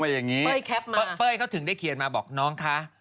เพราะเขาถึงได้เขียนมาบอกน้องค่ะ